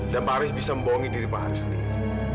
dan pak haris bisa membohongi diri pak haris sendiri